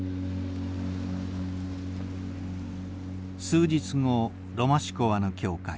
数日後ロマシコワの教会。